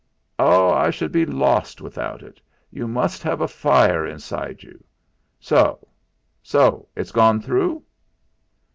"Oh! I should be lost without it. You must have a fire inside you. So so it's gone through?"